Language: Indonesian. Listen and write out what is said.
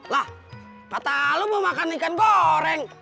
lah kata lo mau makan ikan goreng